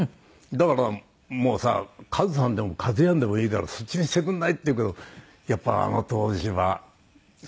だから「もうさ一さんでも一やんでもいいからそっちにしてくれない？」って言うけどやっぱあの当時はそういう事をしないんですね。